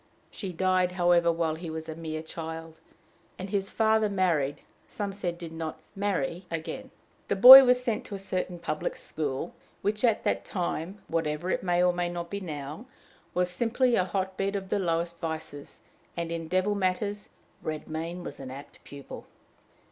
She died, however, while he was a mere child; and his father married, some said did not marry again. The boy was sent to a certain public school, which at that time, whatever it may or may not be now, was simply a hot bed of the lowest vices, and in devil matters Redmain was an apt pupil.